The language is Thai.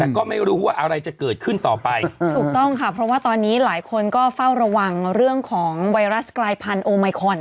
แต่ก็ไม่รู้ว่าอะไรจะเกิดขึ้นต่อไปถูกต้องค่ะเพราะว่าตอนนี้หลายคนก็เฝ้าระวังเรื่องของไวรัสกลายพันธุไมคอน